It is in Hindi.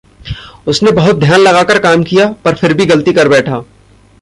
उसने बहुत ध्यान लगाकर काम किया, पर फिर भी ग़लती कर बैठा।